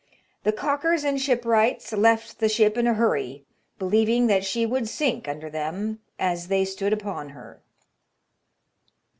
The caulkers and shipwrights BAZAItDOUS VOYAGES. 87 left the ship in a hurry, believing that she would sink under them as they stood upon her.